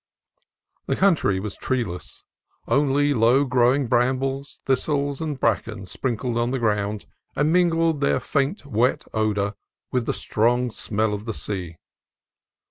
The country was treeless: only low growing brambles, thistles, and bracken sprinkled the ground, and mingled their faint wet odor with the strong smell of the sea.